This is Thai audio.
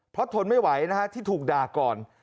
เพราะทนไม่ไหวนะฮะที่ถูกด่าก่อน